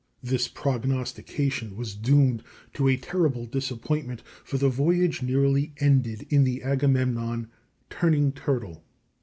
This prognostication was doomed to a terrible disappointment, for the voyage nearly ended in the Agamemnon "turning turtle."